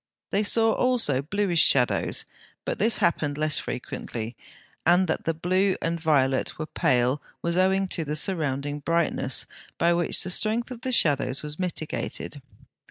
They saw also bluish shadows, but this happened less frequently; and that the blue and violet were pale was owing to the surrounding brightness, by which the strength of the shadows was mitigated.